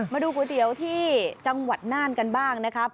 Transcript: มาดูก๋วยเตี๋ยวที่จังหวัดน่านกันบ้างนะครับ